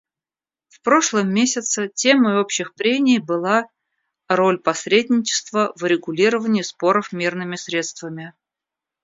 В прошлом месяце темой общих прений была «Роль посредничества в урегулировании споров мирными средствами».